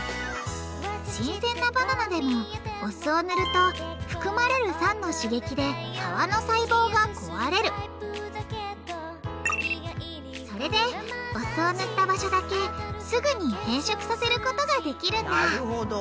新鮮なバナナでもお酢を塗ると含まれる酸の刺激で皮の細胞が壊れるそれでお酢を塗った場所だけすぐに変色させることができるんだなるほど。